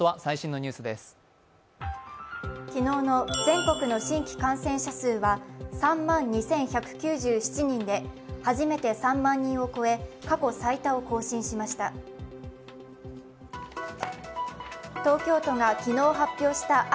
昨日の全国新規感染者数は３万２１９７人で、初めて３万人を超え、過去最多を更新しました。